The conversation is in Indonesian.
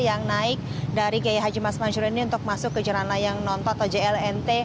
yang naik dari kiai haji mas mansur ini untuk masuk ke jalan layang nonton atau jlnt